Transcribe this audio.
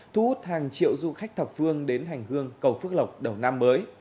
thu hút hàng triệu du khách thập phương đến hành hương cầu phước lộc đầu năm mới